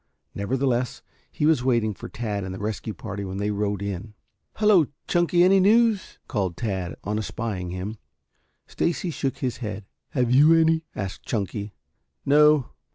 Nevertheless he was waiting for Tad and the rescue party when they rode in. "Hello, Chunky, any news?" called Tad on espying him. Stacy shook his head. "Have you any?" asked Chunky. "No.